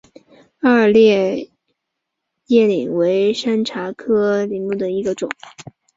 二列叶柃为山茶科柃木属下的一个种。